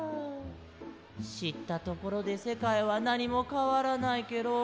しったところでせかいはなにもかわらないケロ。